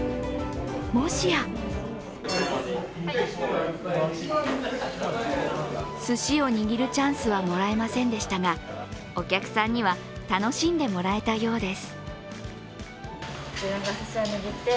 もしやすしを握るチャンスはもらえませんでしたがお客さんには楽しんでもらえたようです。